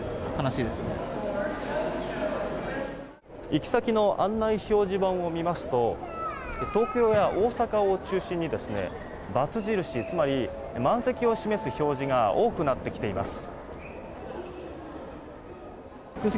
行き先の案内表示板を見ますと東京や大阪を中心に×印つまり、満席を示す表示が多くなってきています。